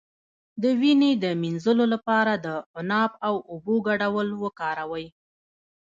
د وینې د مینځلو لپاره د عناب او اوبو ګډول وکاروئ